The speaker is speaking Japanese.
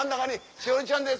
栞里ちゃんです。